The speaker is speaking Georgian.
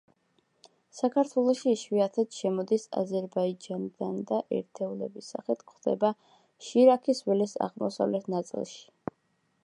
საქართველოში იშვიათად შემოდის აზერბაიჯანიდან და ერთეულების სახით გვხვდება შირაქის ველის აღმოსავლეთ ნაწილში.